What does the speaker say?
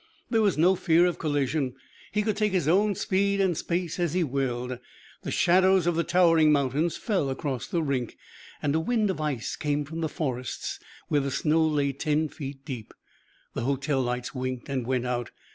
There was no fear of collision. He could take his own speed and space as he willed. The shadows of the towering mountains fell across the rink, and a wind of ice came from the forests, where the snow lay ten feet deep. The hotel lights winked and went out.